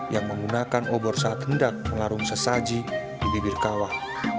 yang menggunakan obor saat hendak melarung sesaji di bibir kawah